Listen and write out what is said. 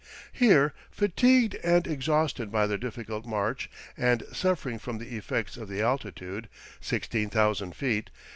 Here, fatigued and exhausted by their difficult march and suffering from the effects of the altitude (16,000 ft.)